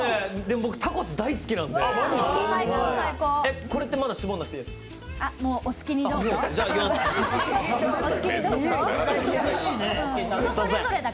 僕タコス大好きなんでこれ、まだ搾らなくていいですか？